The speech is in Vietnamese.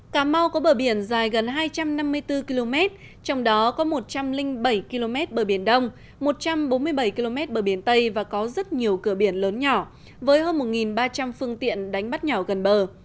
cà mau có bờ biển dài gần hai trăm năm mươi bốn km trong đó có một trăm linh bảy km bờ biển đông một trăm bốn mươi bảy km bờ biển tây và có rất nhiều cửa biển lớn nhỏ với hơn một ba trăm linh phương tiện đánh bắt nhỏ gần bờ